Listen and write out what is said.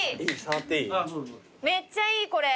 めっちゃいいこれ。